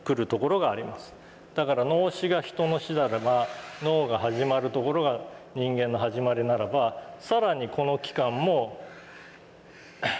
だから脳死が人の死ならば脳が始まるところが人間の始まりならば更にこの期間も使えるわけですよね。